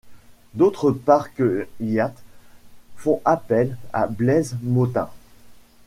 D'autres Park Hyatt font appel à Blaise Mautin..